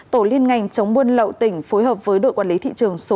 tổ liên ngành chống buôn lậu tỉnh phối hợp với đội quản lý thị trường số một